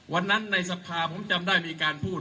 วันนั้นในสภาพมันจำได้มีการพูด